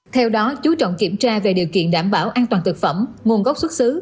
theo đó chú trọng kiểm tra về điều kiện đảm bảo an toàn thực phẩm nguồn gốc xuất xứ